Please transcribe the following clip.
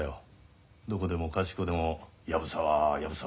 どこでもかしこでも「藪沢」「藪沢」